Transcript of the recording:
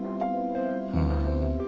ふん。